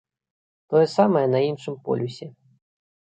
Тое самае на іншым полюсе.